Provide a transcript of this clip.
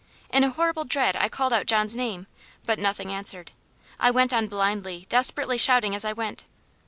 In a horrible dread I called out John's name but nothing answered. I went on blindly, desperately shouting as I went.